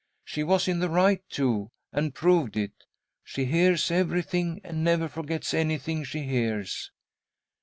She was in the right, too, and proved it. She hears everything, and never forgets anything she hears."